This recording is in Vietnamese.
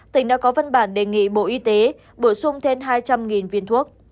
tỉnh đã có văn bản đề nghị bộ y tế bổ sung thêm hai trăm linh viên thuốc